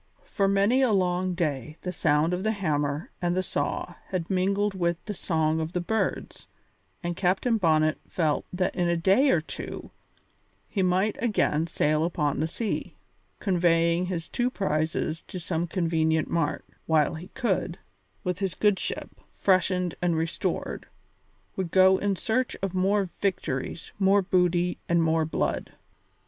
For many a long day the sound of the hammer and the saw had mingled with the song of the birds, and Captain Bonnet felt that in a day or two he might again sail out upon the sea, conveying his two prizes to some convenient mart, while he, with his good ship, freshened and restored, would go in search of more victories, more booty, and more blood.